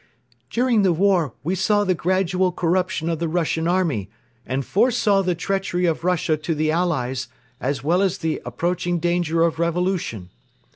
"During the War we saw the gradual corruption of the Russian army and foresaw the treachery of Russia to the Allies as well as the approaching danger of revolution.